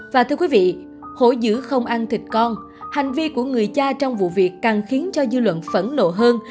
và thưa quý vị hổ giữ không ăn thịt con hành vi của người cha trong vụ việc càng khiến cho dư luận phẫn nộ hơn